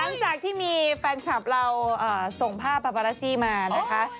หลังจากที่มีแฟนคลับเราส่งภาพปาบารัสซี่มานะคะ